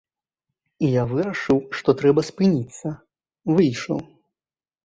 І я вырашыў што трэба спыніцца, выйшаў.